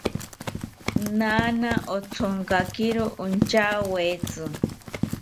Naana othonkakiro ontyawetzi